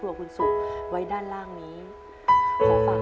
รวมทั้งคุณผู้ชมด้วยครับที่อยู่ทั้งบ้าน